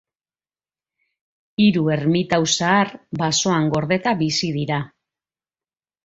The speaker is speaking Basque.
Hiru ermitau zahar basoan gordeta bizi dira.